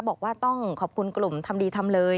บอกว่าต้องขอบคุณกลุ่มทำดีทำเลย